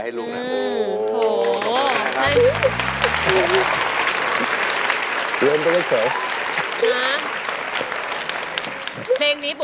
ไม่เป็นไร